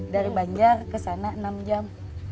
dari banjar kesana enam jam